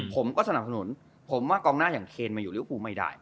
ผมก็สนับสนุนผมว่ากองหน้าอย่างเคนมาอยู่ริวภูไม่ได้